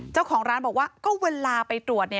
เจ้าของร้านบอกว่าก็เวลาไปตรวจ